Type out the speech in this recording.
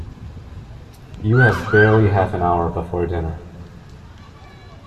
You have barely half an hour before dinner.